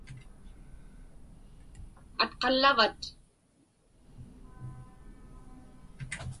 Atqallavat?